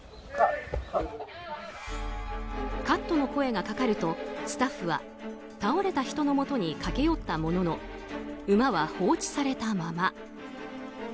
カットの声がかかるとスタッフは倒れた人のもとに駆け寄ったものの馬は放置されたまま。